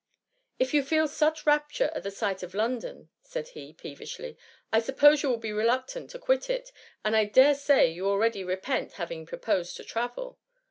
^^If you feel such rapture at the sight of London," said he, peevishly, ^^ I suppose you will be reluctant to quit it ; and I dare say you already repent having proposed to travel."